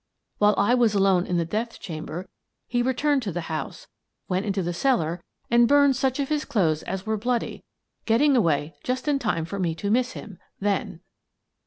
While I was alone in the death chamber, he returned to the house, went into the cellar, and burned such of his clothes as were bloody, getting away just in time for me to miss him — then."